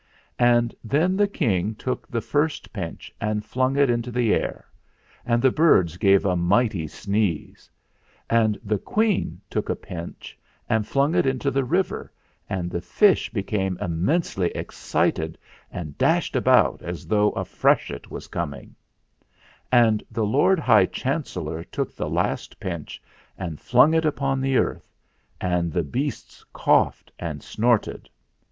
And then the King took the first pinch and flung it into the air, and the birds gave a mighty sneeze; and the Queen took a pinch and flung it into the river, and the fish became immensely excited and dashed about as though a freshet was coming ; and the Lord High Chancellor took the last pinch and flung it upon the earth, and the beasts coughed and snorted.